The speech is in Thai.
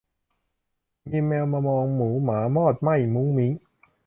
มีแมวมามองหมูหมามอดไหม้มุ้งมิ้ง